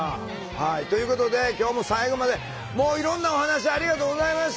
はいということで今日も最後までいろんなお話ありがとうございました。